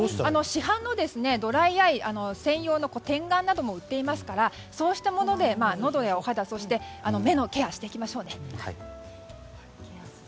市販のドライアイ専用の点眼なども売っていますからそうしたものでのどやお肌、目のケアをしていきましょうね。